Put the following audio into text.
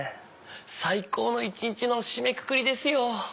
最高の一日の締めくくりですよ。